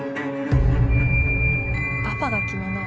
パパが決めなよ。